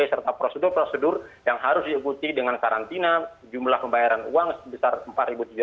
serta prosedur prosedur yang harus diikuti dengan karantina jumlah pembayaran uang sebesar rp empat tiga ratus